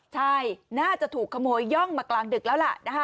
ใช่น่าจะถูกขโมยย่องมากลางดึกแล้วล่ะนะคะ